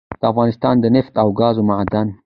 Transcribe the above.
دافغانستان دنفت او ګازو معادن